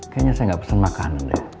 kayaknya saya gak pesen makanan deh